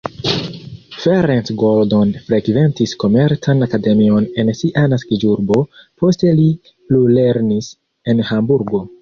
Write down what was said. Ferenc Gordon frekventis komercan akademion en sia naskiĝurbo, poste li plulernis en Hamburgo.